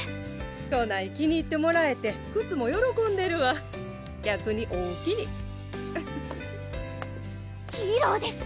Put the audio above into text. こない気に入ってもらえて靴もよろこんでるわ逆におおきにフフッヒーローです